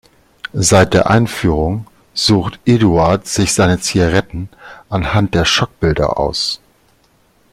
Seit der Einführung sucht Eduard sich seine Zigaretten anhand der Schockbilder aus.